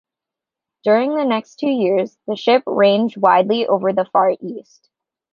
During the next two years, the ship ranged widely over the Far East.